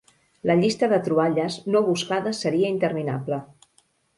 La llista de troballes no buscades seria interminable.